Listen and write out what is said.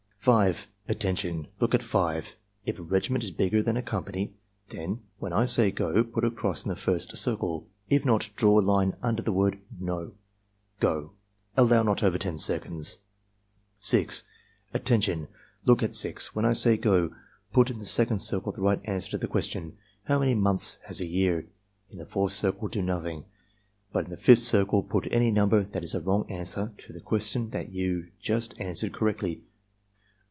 5. ''Attention! Look at 5. If a regiment is bigger than a company, then (when I say 'go') put a cross in the first circle; if not, draw a line under the word NO. — Gro!" (Allow not Gvpr 10 seconds.) ' 6. "Attention! Look at 6. When I say 'go' put in the second circle the right answer to the question: 'How many months has a year?' In the fourth circle do nothing, but in the fifth circle put any number that is a wrong answer to the question that you just answered correctly.